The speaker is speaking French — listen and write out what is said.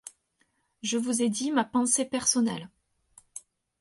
Je vous dis ma pensée personnelle.